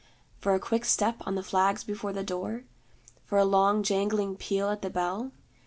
For a quick step on the flags before the door? For a long jangling peal at the bell?